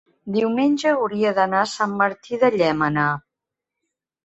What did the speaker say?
diumenge hauria d'anar a Sant Martí de Llémena.